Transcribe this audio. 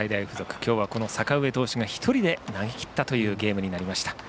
今日は阪上投手が１人で投げきったというゲームでした。